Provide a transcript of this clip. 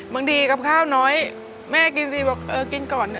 บางทีกับข้าวน้อยแม่กินฟรีบอกเออกินก่อนเถ